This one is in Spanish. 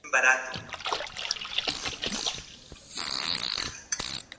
Se sirve muy caliente, a la manera del cocido.